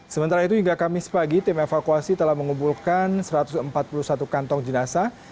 sementara itu hingga kamis pagi tim evakuasi telah mengumpulkan satu ratus empat puluh satu kantong jenazah